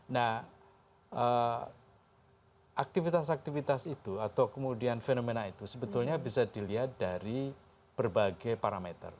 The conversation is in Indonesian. nah aktivitas aktivitas itu atau kemudian fenomena itu sebetulnya bisa dilihat dari berbagai parameter